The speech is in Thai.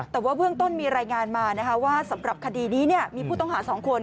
แต่ว่าเบื้องต้นมีรายงานมาว่าสำหรับคดีนี้มีผู้ต้องหา๒คน